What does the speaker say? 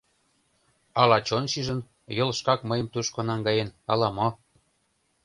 Ала чон шижын, йол шкак мыйым тушко наҥгаен, ала-мо.